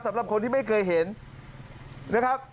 สำหรับคนที่ไม่เคยเห็นนะครับ